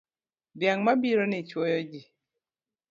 Dhiang' mabironi chwowoji.